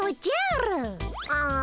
ああ